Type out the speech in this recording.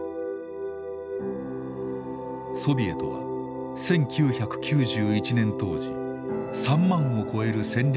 ソビエトは１９９１年当時３万を超える戦略